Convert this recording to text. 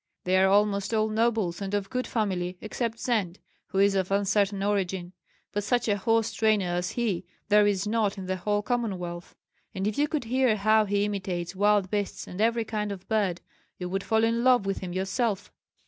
They are almost all nobles and of good family, except Zend, who is of uncertain origin; but such a horse trainer as he there is not in the whole Commonwealth. And if you could hear how he imitates wild beasts and every kind of bird, you would fall in love with him yourself."